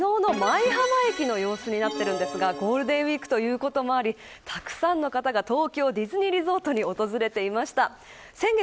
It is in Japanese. こちら昨日の舞浜駅の様子になっていますがゴールデンウイークということもあり、たくさんの人が東京ディズニーリゾートに訪れていました。